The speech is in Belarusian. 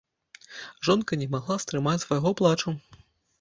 Жонка не магла стрымаць свайго плачу.